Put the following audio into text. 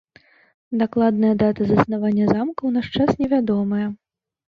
Дакладная дата заснавання замка ў наш час невядомая.